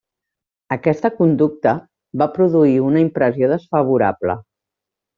Aquesta conducta va produir una impressió desfavorable.